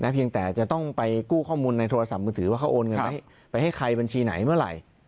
เพียงแต่จะต้องไปกู้ข้อมูลในโทรศัพท์มือถือว่าเขาโอนเงินไปให้ใครบัญชีไหนเมื่อไหร่